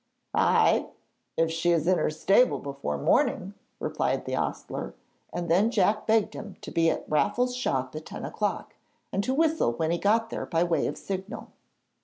'Ay, if she is in her stable before morning,' replied the ostler; and then Jack begged him to be at Raffle's shop at ten o'clock, and to whistle when he got there by way of a signal.